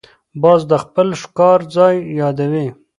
باز د خپل ښکار ځای یادوي